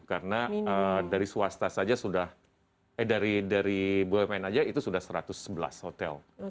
karena dari swasta saja sudah dari bumn saja itu sudah satu ratus sebelas hotel